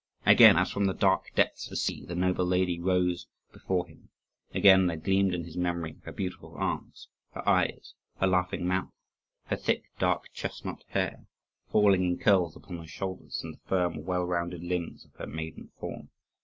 Again, as from the dark depths of the sea, the noble lady rose before him: again there gleamed in his memory her beautiful arms, her eyes, her laughing mouth, her thick dark chestnut hair, falling in curls upon her shoulders, and the firm, well rounded limbs of her maiden form.